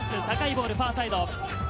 高いボール、ファーサイド。